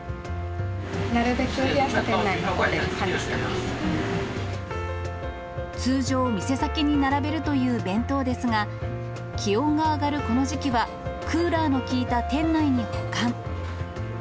なるべく冷やした店内のほう通常、店先に並べるという弁当ですが、気温が上がるこの時期は、クーラーの効いた店内に保管。